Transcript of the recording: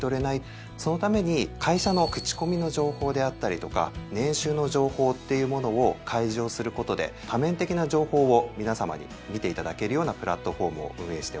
そのために会社の口コミの情報であったりとか年収の情報っていうものを開示をすることで多面的な情報を皆さまに見ていただけるようなプラットフォームを運営しております。